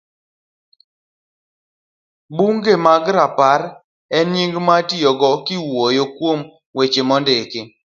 Buge mag Rapar en nying mitiyogo kiwuoyo kuom weche mondiki